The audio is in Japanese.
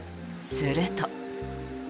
すると。